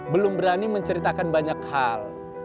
belum berani menceritakan banyak hal